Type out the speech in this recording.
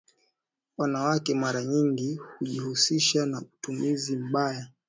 Wanawake mara nyingi hujihusisha na utumizi mbaya